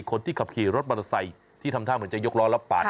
คนที่ขับขี่รถบารศัยที่ทำท่ามเหมือนจะยกร้อนรับปัด